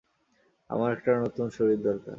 আমার একটা নতুন শরীর দরকার।